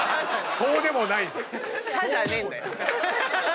そうでもない！